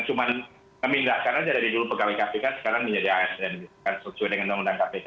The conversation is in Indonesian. cuman memindahkan aja dari dulu pegawai kpk sekarang menjadi as dan disukai dengan undang undang kpk